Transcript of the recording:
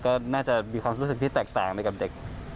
ก็น่าจะมีความรู้สึกที่แตกต่างไปกับเด็ก